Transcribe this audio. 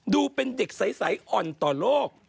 ดูเป็นเด็กใสอ่อนต่อโลก